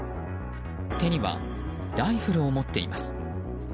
手には、ライフルを持っています。